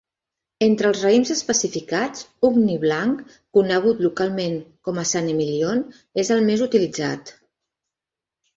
Entre els raïms especificats, Ugni blanc, conegut localment com a Saint-Emilion, és el més utilitzat.